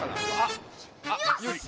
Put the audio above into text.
よし！